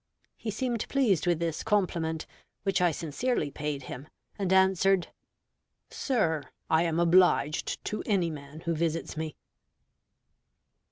He seemed pleased with this compliment, which I sincerely paid him, and answered, "Sir, I am obliged to any man who visits me."